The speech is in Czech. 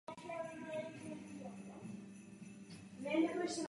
Jeho synovcem je rapper a herec Drake.